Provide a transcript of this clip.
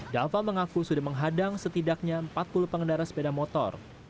dava mengaku sudah menghadang setidaknya empat puluh pengendara sepeda motor